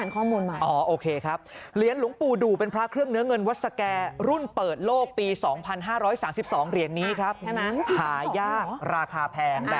คุณรู้ได้อย่างไรคุณเล่นพระเหรอ